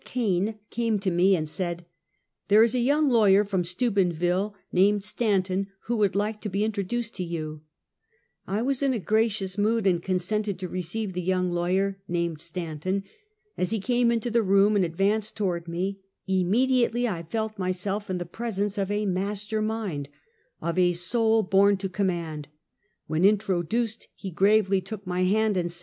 Kane came to me and said: " There is a young lawyer from Steubenville named Stanton who would like to be introduced to you." I was in a gracious mood and consented to receive the young lawyer named Stanton. As he came into the room and advanced toward me, immediately I felt mj^self in the presence of a master mind, of a soul born to command. When introduced he gravely took my hand, and.